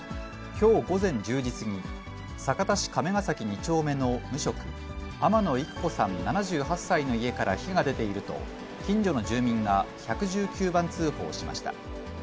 きょう午前１０時過ぎ、酒田市亀ヶ崎２丁目の無職、天野郁子さん７８歳の家から火が出ていると、近所の住民が１１９番通報しました。